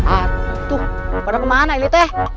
atuh pada kemana ini teh